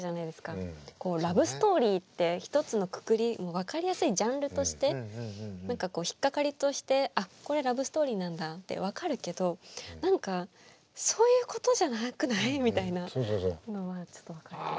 こうラブストーリーって一つのくくり分かりやすいジャンルとして何か引っ掛かりとしてあっこれラブストーリーなんだって分かるけど何かそういうことじゃなくない？みたいなのはちょっと分かりますね。